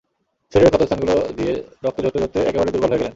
শরীরের ক্ষতস্থানগুলো দিয়ে রক্ত ঝরতে ঝরতে একেবারে দুর্বল হয়ে গেলেন।